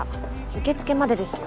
受付までですよ。